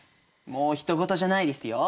もうひと事じゃないですよ。